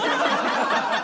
ハハハハ！